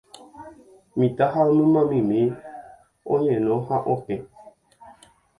mitã ha mymbamimi oñeno ha oke